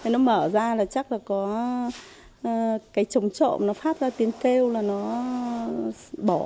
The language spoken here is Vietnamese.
nó mở ra là chắc là có cái trồng trộm nó phát ra tiếng kêu là nó bỏ